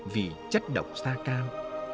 vì chất độc da cam